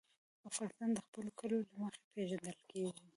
افغانستان د خپلو کلیو له مخې پېژندل کېږي.